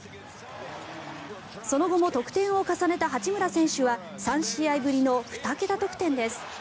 その後も得点を重ねた八村選手は３試合ぶりの２桁得点です。